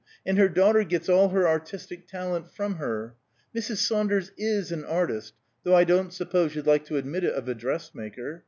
"And her daughter gets all her artistic talent from her. Mrs. Saunders is an artist, though I don't suppose you like to admit it of a dressmaker."